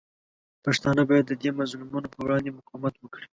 پښتانه باید د دې ظلمونو پر وړاندې مقاومت وکړي.